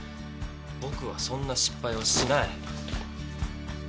僕はそんな失敗はしない。